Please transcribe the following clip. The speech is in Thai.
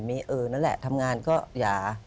มีเออนั่นแหละทำงานก็อย่า